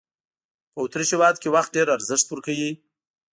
په اوترېش هېواد کې وخت ډېر ارزښت ورکوي.